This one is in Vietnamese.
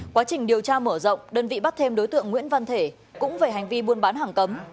quá trình điều tra mở rộng đơn vị bắt thêm đối tượng nguyễn văn thể cũng về hành vi buôn bán hàng cấm